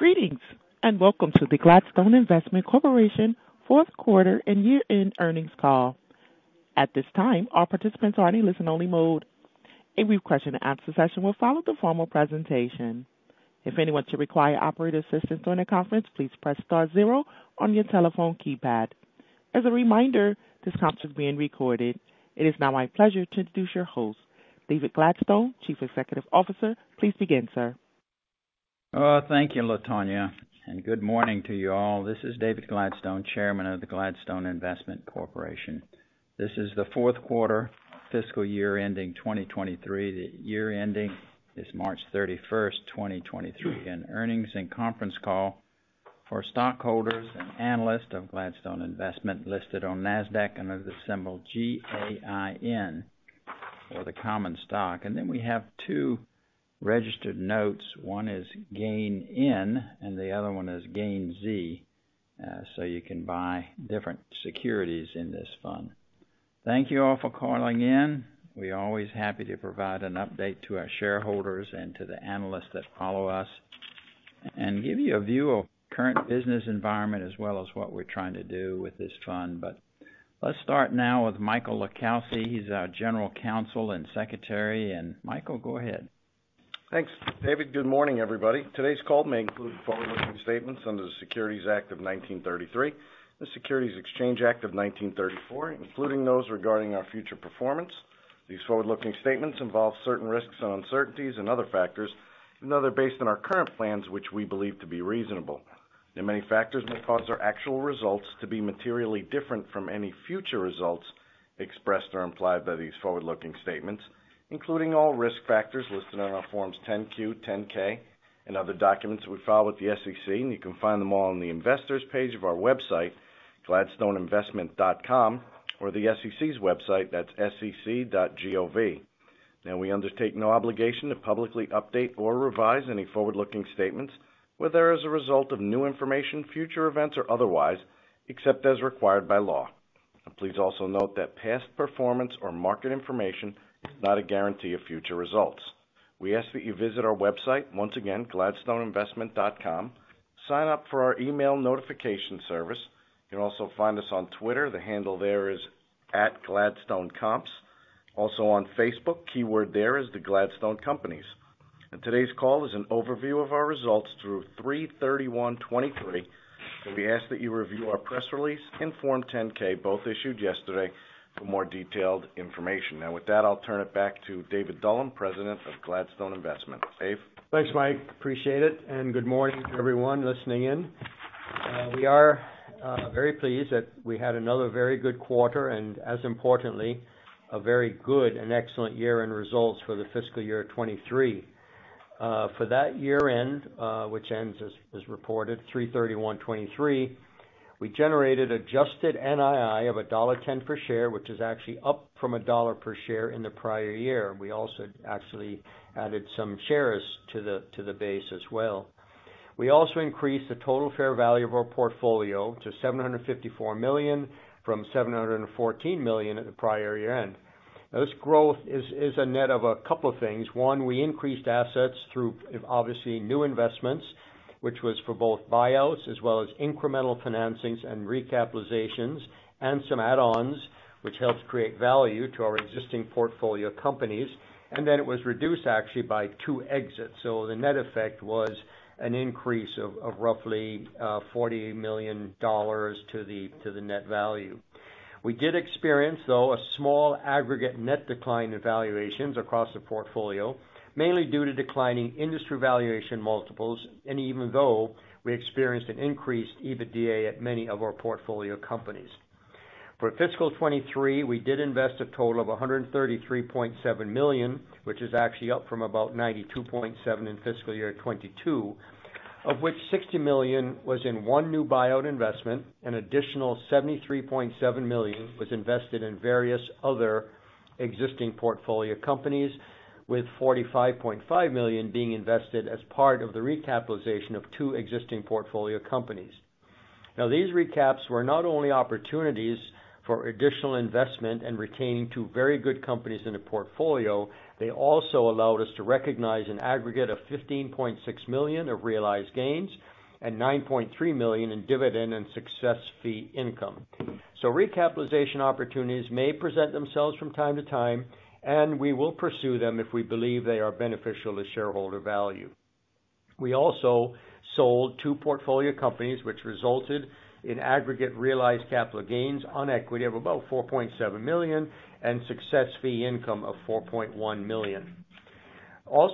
Greetings, and welcome to the Gladstone Investment Corporation fourth quarter and year-end earnings call. At this time, all participants are in a listen-only mode. A brief question and answer session will follow the formal presentation. If anyone should require operator assistance during the conference, please press star zero on your telephone keypad. As a reminder, this conference is being recorded. It is now my pleasure to introduce your host, David Gladstone, Chief Executive Officer. Please begin, sir. Oh, thank you, Latanya, and good morning to you all. This is David Gladstone, chairman of the Gladstone Investment Corporation. This is the fourth quarter fiscal year ending 2023. The year ending is March 31st, 2023, and earnings and conference call for stockholders and analysts of Gladstone Investment listed on Nasdaq under the symbol G-A-I-N for the common stock. Then we have two registered notes. One is GAIN N and the other one is GAIN Z, you can buy different securities in this fund. Thank you all for calling in. We're always happy to provide an update to our shareholders and to the analysts that follow us and give you a view of current business environment as well as what we're trying to do with this fund. Let's start now with Michael LiCalsi. He's our General Counsel and Secretary. Michael, go ahead. Thanks, David. Good morning, everybody. Today's call may include forward-looking statements under the Securities Act of 1933, the Securities Exchange Act of 1934, including those regarding our future performance. These forward-looking statements involve certain risks, uncertainties and other factors, even though they're based on our current plans, which we believe to be reasonable. Many factors may cause our actual results to be materially different from any future results expressed or implied by these forward-looking statements, including all risk factors listed on our Forms 10-Q, 10-K and other documents we file with the SEC. You can find them all on the investors page of our website, gladstoneinvestment.com, or the SEC's website. That's sec.gov. We undertake no obligation to publicly update or revise any forward-looking statements, whether as a result of new information, future events, or otherwise, except as required by law. Please also note that past performance or market information is not a guarantee of future results. We ask that you visit our website once again, gladstoneinvestment.com. Sign up for our email notification service. You can also find us on Twitter. The handle there is @gladstonecomps. Also on Facebook. Keyword there is the Gladstone Companies. Today's call is an overview of our results through 3/31/2023, and we ask that you review our press release and Form 10-K, both issued yesterday for more detailed information. Now, with that, I'll turn it back to David Dullum, President of Gladstone Investment. Dave. Thanks, Mike, appreciate it. Good morning to everyone listening in. We are very pleased that we had another very good quarter, as importantly, a very good and excellent year-end results for the fiscal year 2023. For that year-end, which ends as reported, 03/31/2023, we generated adjusted NII of $1.10 per share, which is actually up from $1.00 per share in the prior year. We also actually added some shares to the base as well. We also increased the total fair value of our portfolio to $754 million from $714 million at the prior year-end. This growth is a net of a couple of things. We increased assets through obviously new investments, which was for both buyouts as well as incremental financings and recapitalizations and some add-ons which helped create value to our existing portfolio companies. It was reduced actually by 2 exits. The net effect was an increase of roughly $40 million to the net value. We did experience, though, a small aggregate net decline in valuations across the portfolio, mainly due to declining industry valuation multiples, and even though we experienced an increased EBITDA at many of our portfolio companies. For fiscal 2023, we did invest a total of $133.7 million, which is actually up from about $92.7 in fiscal year 2022, of which $60 million was in 1 new buyout investment. An additional $73.7 million was invested in various other existing portfolio companies, with $45.5 million being invested as part of the recapitalization of two existing portfolio companies. Now, these recaps were not only opportunities for additional investment and retaining two very good companies in the portfolio, they also allowed us to recognize an aggregate of $15.6 million of realized gains and $9.3 million in dividend and success fee income. Recapitalization opportunities may present themselves from time to time, and we will pursue them if we believe they are beneficial to shareholder value. We also sold two portfolio companies, which resulted in aggregate realized capital gains on equity of about $4.7 million and success fee income of $4.1 million.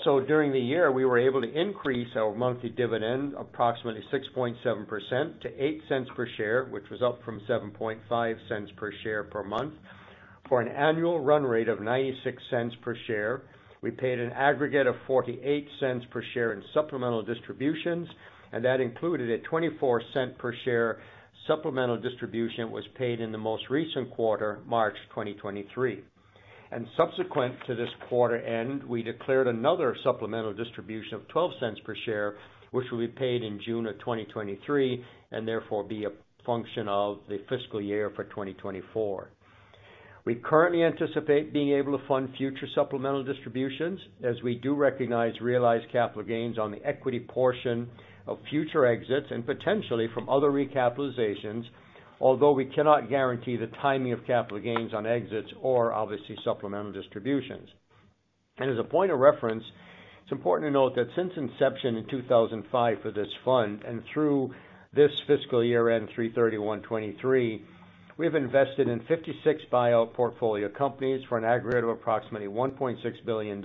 During the year, we were able to increase our monthly dividend approximately 6.7% to $0.08 per share, which was up from $0.075 per share per month for an annual run rate of $0.96 per share. We paid an aggregate of $0.48 per share in supplemental distributions, that included a $0.24 per share supplemental distribution was paid in the most recent quarter, March 2023. Subsequent to this quarter end, we declared another supplemental distribution of $0.12 per share, which will be paid in June of 2023 and therefore be a function of the fiscal year for 2024. We currently anticipate being able to fund future supplemental distributions as we do recognize realized capital gains on the equity portion of future exits and potentially from other recapitalizations, although we cannot guarantee the timing of capital gains on exits or obviously supplemental distributions. As a point of reference, it's important to note that since inception in 2005 for this fund and through this fiscal year end 3/31/2023, we have invested in 56 buyout portfolio companies for an aggregate of approximately $1.6 billion,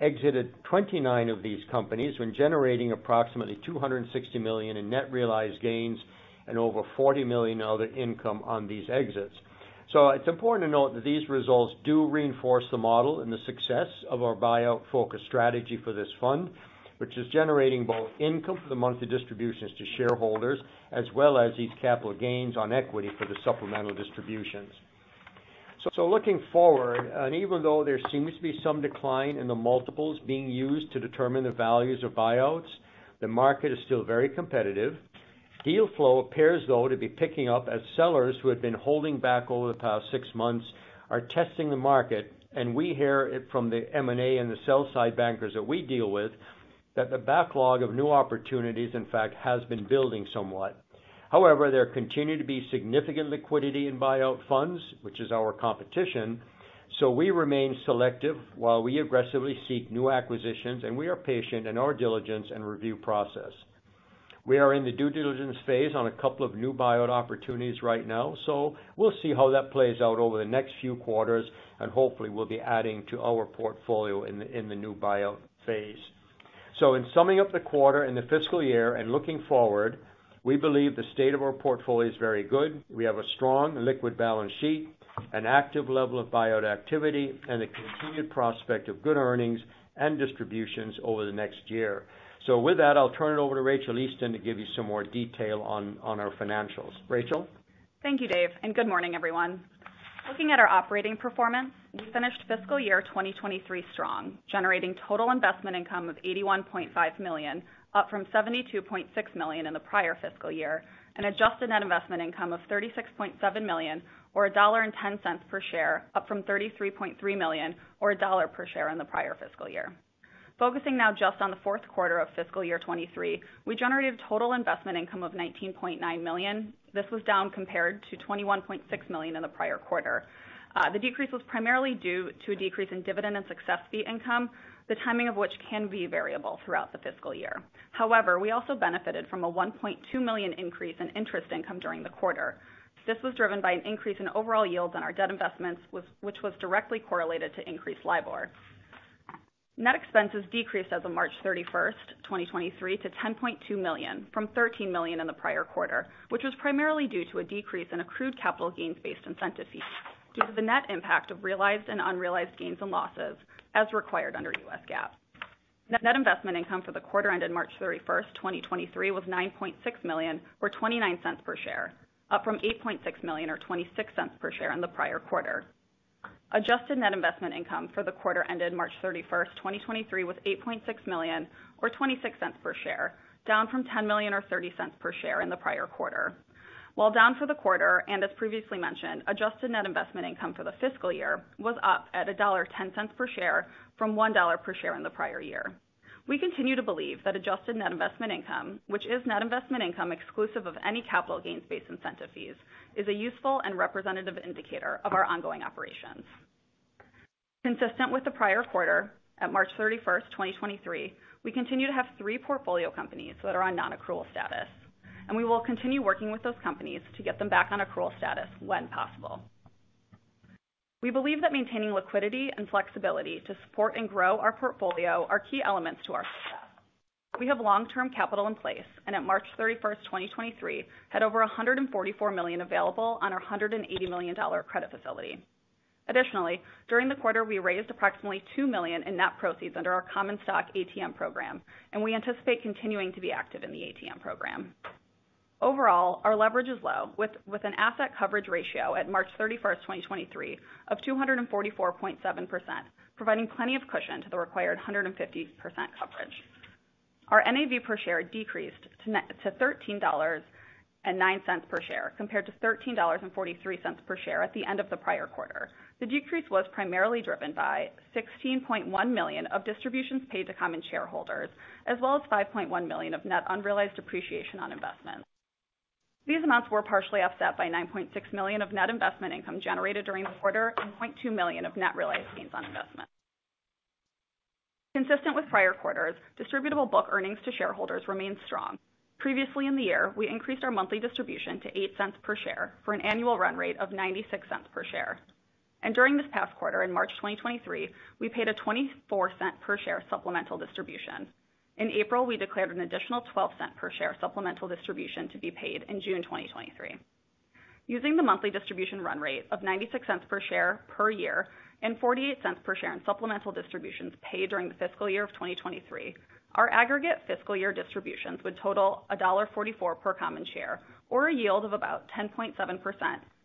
exited 29 of these companies when generating approximately $260 million in net realized gains and over $40 million other income on these exits. It's important to note that these results do reinforce the model and the success of our buyout-focused strategy for this fund, which is generating both income for the monthly distributions to shareholders as well as these capital gains on equity for the supplemental distributions. Looking forward, and even though there seems to be some decline in the multiples being used to determine the values of buyouts, the market is still very competitive. Deal flow appears, though, to be picking up as sellers who have been holding back over the past six months are testing the market. We hear it from the M&A and the sell-side bankers that we deal with that the backlog of new opportunities in fact has been building somewhat. There continue to be significant liquidity in buyout funds, which is our competition, so we remain selective while we aggressively seek new acquisitions, and we are patient in our diligence and review process. We are in the due diligence phase on a couple of new buyout opportunities right now, so we'll see how that plays out over the next few quarters, and hopefully we'll be adding to our portfolio in the new buyout phase. In summing up the quarter and the fiscal year and looking forward, we believe the state of our portfolio is very good. We have a strong liquid balance sheet, an active level of buyout activity, and a continued prospect of good earnings and distributions over the next year. With that, I'll turn it over to Rachael Easton to give you some more detail on our financials. Rachael. Thank you, Dave, and good morning, everyone. Looking at our operating performance, we finished fiscal year 2023 strong, generating total investment income of $81.5 million, up from $72.6 million in the prior fiscal year, and adjusted net investment income of $36.7 million or $1.10 per share, up from $33.3 million or $1 per share in the prior fiscal year. Focusing now just on the fourth quarter of fiscal year 2023, we generated total investment income of $19.9 million. This was down compared to $21.6 million in the prior quarter. The decrease was primarily due to a decrease in dividend and success fee income, the timing of which can be variable throughout the fiscal year. However, we also benefited from a $1.2 million increase in interest income during the quarter. This was driven by an increase in overall yields on our debt investments which was directly correlated to increased LIBOR. Net expenses decreased as of March 31st, 2023 to $10.2 million from $13 million in the prior quarter, which was primarily due to a decrease in accrued capital gains-based incentive fees due to the net impact of realized and unrealized gains and losses as required under U.S. GAAP. Net investment income for the quarter ended March 31st, 2023 was $9.6 million or $0.29 per share, up from $8.6 million or $0.26 per share in the prior quarter. Adjusted net investment income for the quarter ended March 31st, 2023 was $8.6 million or $0.26 per share, down from $10 million or $0.30 per share in the prior quarter. While down for the quarter, and as previously mentioned, adjusted net investment income for the fiscal year was up at $1.10 per share from $1 per share in the prior year. We continue to believe that adjusted net investment income, which is net investment income exclusive of any capital gains-based incentive fees, is a useful and representative indicator of our ongoing operations. Consistent with the prior quarter, at March 31st, 2023, we continue to have three portfolio companies that are on non-accrual status, and we will continue working with those companies to get them back on accrual status when possible. We believe that maintaining liquidity and flexibility to support and grow our portfolio are key elements to our success. We have long-term capital in place, at March 31st, 2023, had over $144 million available on our $180 million credit facility. Additionally, during the quarter, we raised approximately $2 million in net proceeds under our common stock ATM program, and we anticipate continuing to be active in the ATM program. Overall, our leverage is low, with an asset coverage ratio at March 31st, 2023 of 244.7%, providing plenty of cushion to the required 150% coverage. Our NAV per share decreased to net to $13.09 per share, compared to $13.43 per share at the end of the prior quarter. The decrease was primarily driven by $16.1 million of distributions paid to common shareholders as well as $5.1 million of net unrealized appreciation on investments. These amounts were partially offset by $9.6 million of net investment income generated during the quarter and $0.2 million of net realized gains on investment. Consistent with prior quarters, distributable book earnings to shareholders remained strong. Previously in the year, we increased our monthly distribution to $0.08 per share for an annual run rate of $0.96 per share. During this past quarter in March 2023, we paid a $0.24 per share supplemental distribution. In April, we declared an additional $0.12 per share supplemental distribution to be paid in June 2023. Using the monthly distribution run rate of $0.96 per share per year and $0.48 per share in supplemental distributions paid during the fiscal year of 2023, our aggregate fiscal year distributions would total $1.44 per common share or a yield of about 10.7%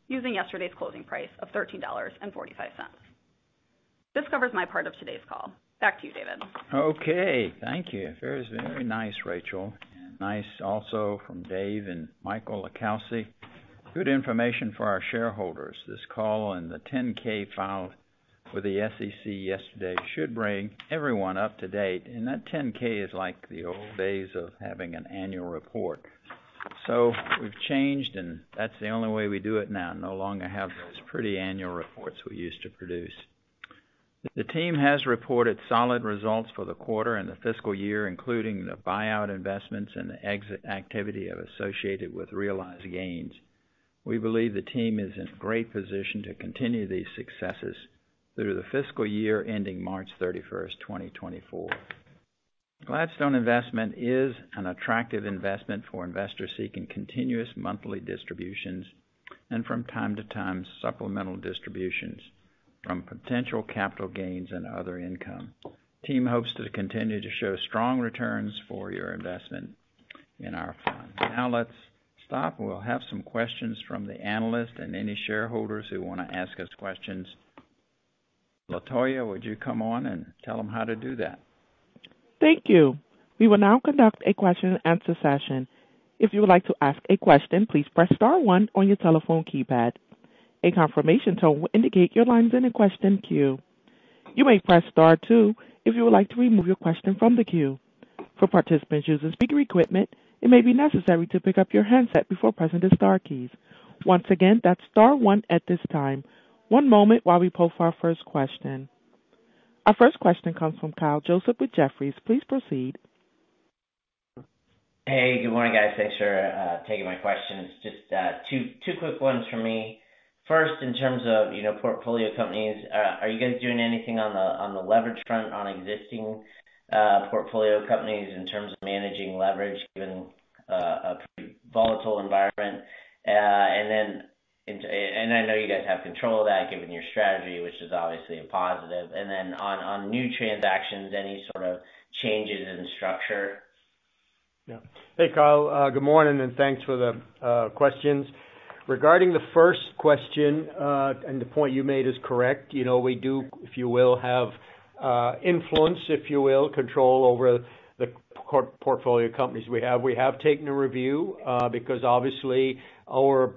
using yesterday's closing price of $13.45. This covers my part of today's call. Back to you, David. Okay. Thank you. Very, very nice, Rachael. Nice also from Dave and Michael LiCalsi. Good information for our shareholders. This call and the Form 10-K filed with the SEC yesterday should bring everyone up to date. That Form 10-K is like the old days of having an annual report. We've changed, and that's the only way we do it now. No longer have those pretty annual reports we used to produce. The team has reported solid results for the quarter and the fiscal year, including the buyout investments and the exit activity associated with realized gains. We believe the team is in great position to continue these successes through the fiscal year ending March 31st, 2024. Gladstone Investment is an attractive investment for investors seeking continuous monthly distributions and from time to time, supplemental distributions from potential capital gains and other income. Team hopes to continue to show strong returns for your investment in our fund. Now let's stop. We'll have some questions from the analyst and any shareholders who want to ask us questions. Latanya, would you come on and tell them how to do that? Thank you. We will now conduct a question and answer session. If you would like to ask a question, please press star one on your telephone keypad. A confirmation tone will indicate your line is in a question queue. You may press star two if you would like to remove your question from the queue. For participants using speaker equipment, it may be necessary to pick up your handset before pressing the star keys. Once again, that's star one at this time. One moment while we pull for our first question. Our first question comes from Kyle Joseph with Jefferies. Please proceed. Hey, good morning, guys. Thanks for taking my questions. Just 2 quick ones for me. First, in terms of, you know, portfolio companies, are you guys doing anything on the leverage front on existing portfolio companies in terms of managing leverage, given a pretty volatile environment? I know you guys have control of that given your strategy, which is obviously a positive. On new transactions, any sort of changes in structure? Yeah. Hey, Kyle, good morning, and thanks for the questions. Regarding the first question, the point you made is correct. You know, we do, if you will, have influence, if you will, control over the portfolio companies we have. We have taken a review, because obviously our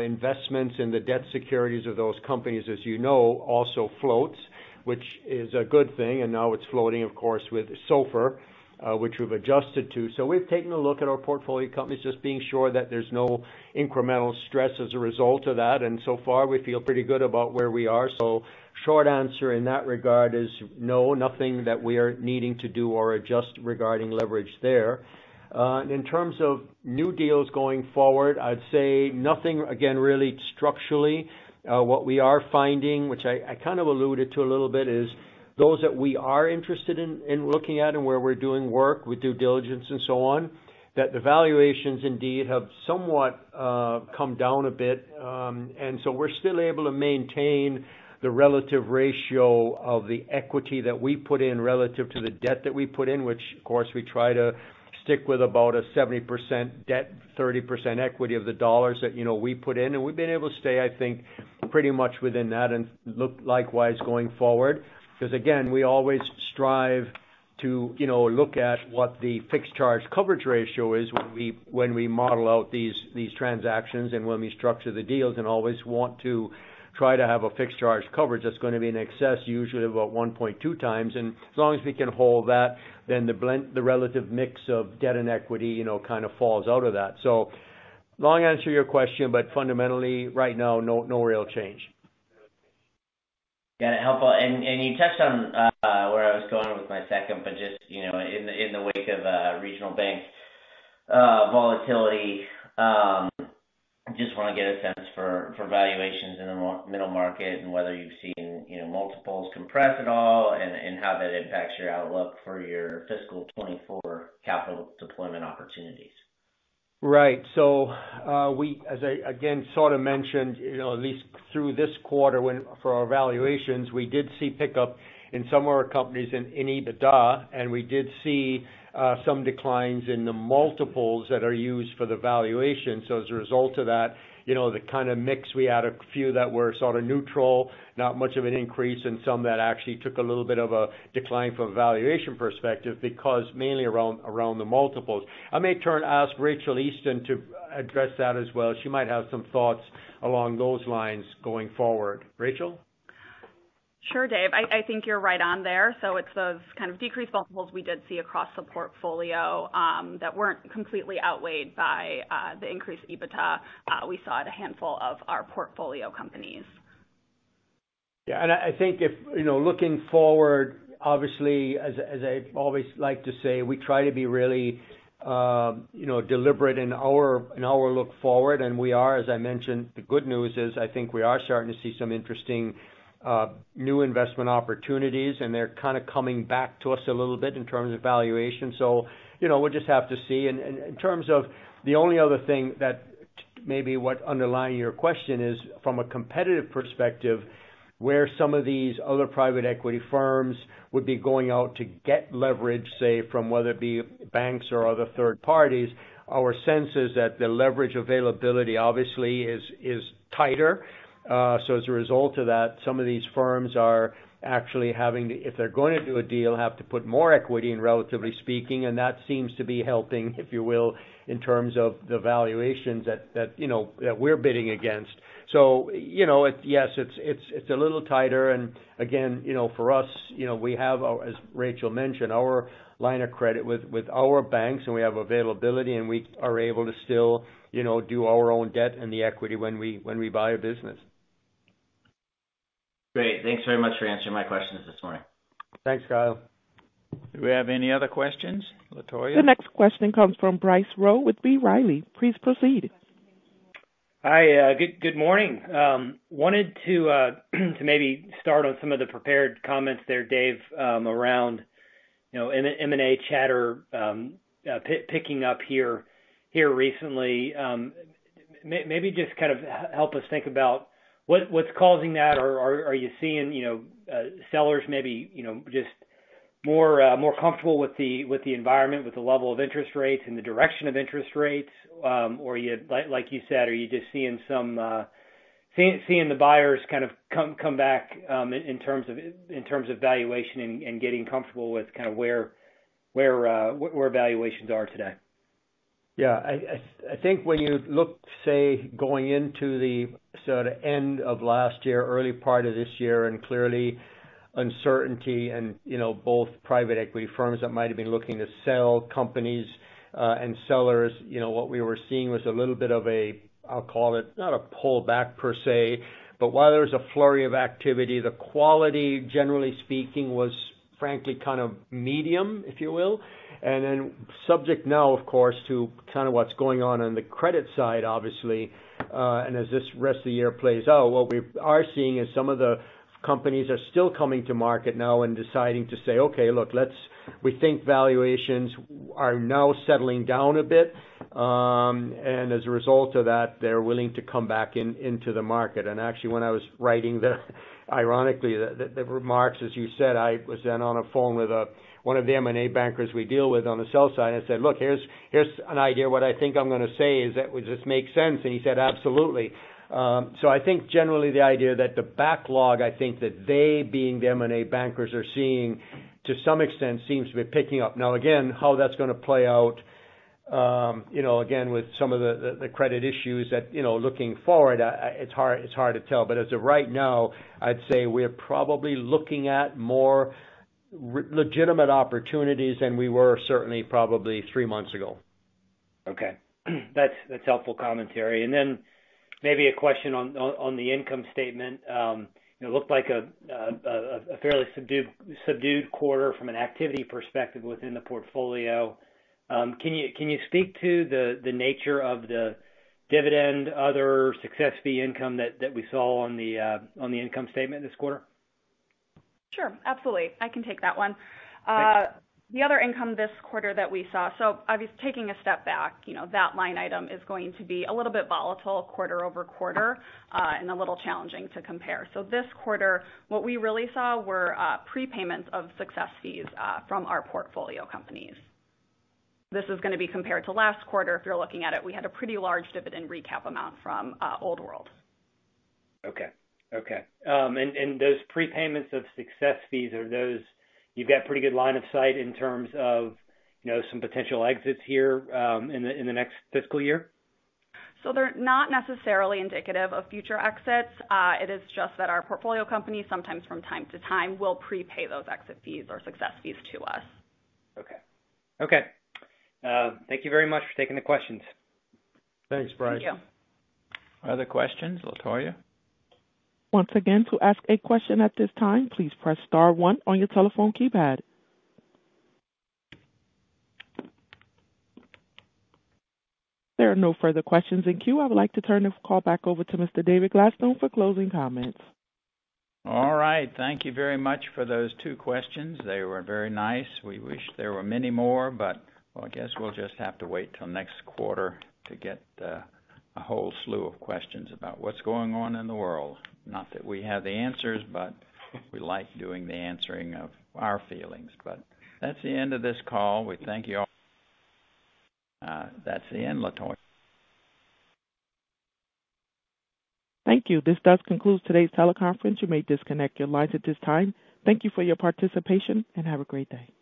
investments in the debt securities of those companies, as you know, also floats, which is a good thing. Now it's floating, of course, with SOFR, which we've adjusted to. We've taken a look at our portfolio companies, just being sure that there's no incremental stress as a result of that. So far we feel pretty good about where we are. Short answer in that regard is no, nothing that we are needing to do or adjust regarding leverage there. In terms of new deals going forward, I'd say nothing again, really structurally. What we are finding, which I kind of alluded to a little bit, is those that we are interested in looking at and where we're doing work with due diligence and so on, that the valuations indeed have somewhat come down a bit. We're still able to maintain the relative ratio of the equity that we put in relative to the debt that we put in, which of course we try to stick with about a 70% debt, 30% equity of the $ that, you know, we put in. We've been able to stay, I think, pretty much within that and look likewise going forward. Again, we always strive to, you know, look at what the fixed charge coverage ratio is when we model out these transactions and when we structure the deals and always want to try to have a fixed charge coverage that's gonna be in excess, usually about 1.2 times. As long as we can hold that, then the blend, the relative mix of debt and equity, you know, kind of falls out of that. Long answer your question, but fundamentally right now, no real change. Yeah. Helpful. You touched on where I was going with my second, but just, you know, in the, in the wake of regional bank volatility, just wanna get a sense for valuations in the middle market and whether you've seen, you know, multiples compress at all and how that impacts your outlook for your fiscal 24 capital deployment opportunities. Right. We as I again sort of mentioned, you know, at least through this quarter when for our valuations, we did see pickup in some of our companies in EBITDA, and we did see some declines in the multiples that are used for the valuation. As a result of that, you know, the kind of mix, we had a few that were sort of neutral, not much of an increase, and some that actually took a little bit of a decline from a valuation perspective because mainly around the multiples. I may turn, ask Rachael Easton to address that as well. She might have some thoughts along those lines going forward. Rachael. Sure, Dave. I think you're right on there. It's those kind of decreased multiples we did see across the portfolio, that weren't completely outweighed by the increased EBITDA we saw at a handful of our portfolio companies. Yeah. I think if, you know, looking forward, obviously as I always like to say, we try to be really, you know, deliberate in our look forward, and we are, as I mentioned, the good news is I think we are starting to see some interesting, new investment opportunities, and they're kind of coming back to us a little bit in terms of valuation. You know, we'll just have to see. In terms of the only other thing that, maybe what underlying your question is from a competitive perspective, where some of these other private equity firms would be going out to get leverage, say, from whether it be banks or other third parties. Our sense is that the leverage availability obviously is tighter. As a result of that, some of these firms are actually having if they're going to do a deal, have to put more equity in, relatively speaking. That seems to be helping, if you will, in terms of the valuations that, you know, that we're bidding against. You know, Yes, it's a little tighter. Again, you know, for us, you know, we have, as Rachel mentioned, our line of credit with our banks, and we have availability, and we are able to still, you know, do our own debt and the equity when we buy a business. Great. Thanks very much for answering my questions this morning. Thanks, Kyle. Do we have any other questions? Latanya? The next question comes from Bryce Rowe with B. Riley. Please proceed. Hi, good morning. Wanted to maybe start on some of the prepared comments there, Dave, around, you know, M&A chatter, picking up here recently. Maybe just kind of help us think about what's causing that? Are you seeing, you know, sellers maybe, you know, just more comfortable with the environment, with the level of interest rates and the direction of interest rates? Or you, like you said, are you just seeing some buyers kind of come back, in terms of valuation and getting comfortable with kind of where valuations are today? Yeah, I think when you look, say, going into the sort of end of last year, early part of this year, Clearly uncertainty and, you know, both private equity firms that might've been looking to sell companies and sellers. You know, what we were seeing was a little bit of a, I'll call it, not a pullback per se, but while there was a flurry of activity, the quality, generally speaking, was frankly kind of medium, if you will. Then subject now, of course, to kind of what's going on the credit side, obviously. As this rest of the year plays out, what we are seeing is some of the companies are still coming to market now and deciding to say, "Okay, look, we think valuations are now settling down a bit." As a result of that, they're willing to come back in, into the market. Actually, when I was writing ironically, the remarks, as you said, I was then on a phone with one of the M&A bankers we deal with on the sell side and said, "Look, here's an idea. What I think I'm gonna say is that, would this make sense?" He said, "Absolutely." I think generally the idea that the backlog, I think that they, being the M&A bankers are seeing to some extent seems to be picking up. Now, again, how that's gonna play out, you know, again, with some of the credit issues that, you know, looking forward, it's hard to tell. As of right now, I'd say we're probably looking at more legitimate opportunities than we were certainly probably three months ago. Okay. That's helpful commentary. Then maybe a question on the income statement. It looked like a fairly subdued quarter from an activity perspective within the portfolio. Can you speak to the nature of the dividend, other success fee income that we saw on the income statement this quarter? Sure. Absolutely. I can take that one. Thanks. The other income this quarter that we saw. Taking a step back, you know, that line item is going to be a little bit volatile quarter-over-quarter and a little challenging to compare. This quarter, what we really saw were prepayments of success fees from our portfolio companies. This is gonna be compared to last quarter. If you're looking at it, we had a pretty large dividend recap amount from Old World. Okay. Okay. Those prepayments of success fees, are those... You've got pretty good line of sight in terms of, you know, some potential exits here, in the, in the next fiscal year? They're not necessarily indicative of future exits. It is just that our portfolio companies, sometimes from time to time, will prepay those exit fees or success fees to us. Okay. Okay. Thank you very much for taking the questions. Thanks, Bryce. Other questions, Latanya? Once again, to ask a question at this time, please press star one on your telephone keypad. There are no further questions in queue. I would like to turn the call back over to Mr. David Gladstone for closing comments. All right. Thank you very much for those two questions. They were very nice. We wish there were many more, but I guess we'll just have to wait till next quarter to get a whole slew of questions about what's going on in the world. Not that we have the answers, but we like doing the answering of our feelings. That's the end of this call. We thank you all. That's the end, Latanya. Thank you. This does conclude today's teleconference. You may disconnect your lines at this time. Thank you for your participation, and have a great day.